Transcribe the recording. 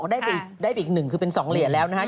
ได้ไปอีก๑คือเป็น๒เหรียญแล้วนะครับ